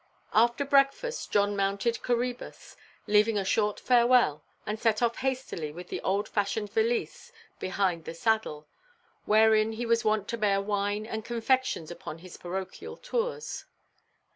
After breakfast John mounted Coræbus, leaving a short farewell, and set off hastily with the old–fashioned valise behind the saddle, wherein he was wont to bear wine and confections upon his parochial tours.